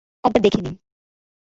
একবার দেখে নিন।